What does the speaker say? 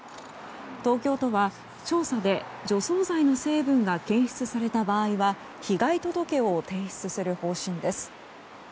東京都は調査で除草剤の成分が検出された場合は被害届を提出する方針です。